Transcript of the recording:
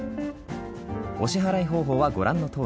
お支払い方法はご覧のとおり。